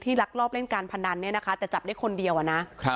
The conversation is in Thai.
ลักลอบเล่นการพนันเนี่ยนะคะแต่จับได้คนเดียวอะนะ